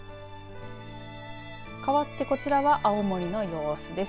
かわってこちらは青森の様子です。